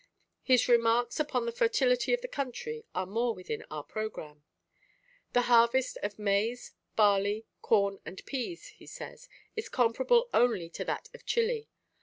His remarks upon the fertility of the country are more within our programme. "The harvest of maize, barley, corn, and peas," he says, "is comparable only to that of Chili.